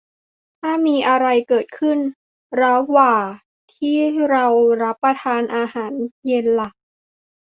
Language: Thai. ถ้ามีอะไรเกิดขึ้นระหว่าที่เรารับประทานอาหารเย็นล่ะ